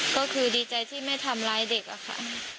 ก็คือดีใจที่ไม่ทำร้ายเด็กอะค่ะ